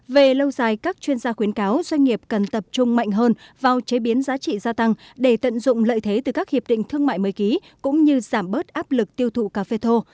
về lâu dài các chuyên gia khuyến cáo doanh nghiệp cần tập trung mạnh hơn vào chế biến giá trị gia tăng để tận dụng lợi thế từ các hiệp định thương mại mới ký cũng như giảm bớt áp lực tiêu thụ cà phê thô